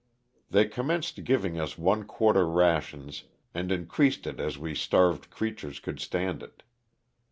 They commenced giving us one quar ter rations and increased it as we starved creatures could stand it.